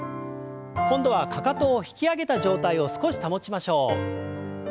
今度はかかとを引き上げた状態を少し保ちましょう。